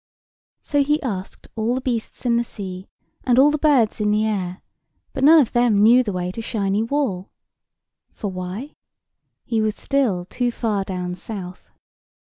So he asked all the beasts in the sea, and all the birds in the air, but none of them knew the way to Shiny Wall. For why? He was still too far down south.